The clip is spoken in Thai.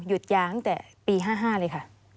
ยางตั้งแต่ปี๕๕เลยค่ะ